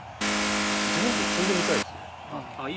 自分で積んでみたいですね。